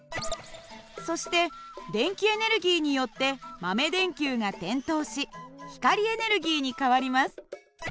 そして電気エネルギーによって豆電球が点灯し光エネルギーに変わります。